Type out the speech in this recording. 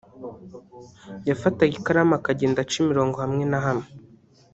yafataga ikaramu akagenda aca imirongo hamwe na hamwe